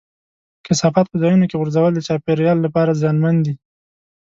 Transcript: کثافات په ځایونو کې غورځول د چاپېریال لپاره زیانمن دي.